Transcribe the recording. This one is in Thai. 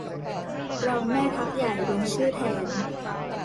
รองแม่ทัพใหญ่ ลงชื่อแทน